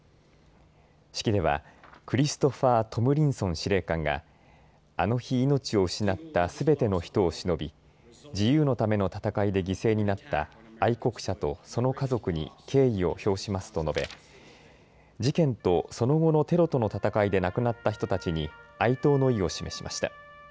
式ではクリストファー・トムリンソン司令官があの日、命を失ったすべての人をしのび、自由のための戦いで犠牲になった愛国者とその家族に敬意を表しますと述べ、事件とその後のテロとの戦いで亡くなった人たちに哀悼の意を示しました。